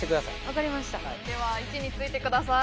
わかりましたでは位置についてください